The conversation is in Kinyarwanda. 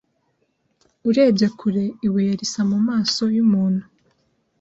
Urebye kure, ibuye risa mumaso yumuntu.